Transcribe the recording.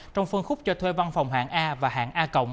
trong phân khúc cho thuê văn phòng hạng a và hạng a